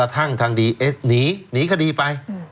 ทางดีเอสหนีหนีคดีไป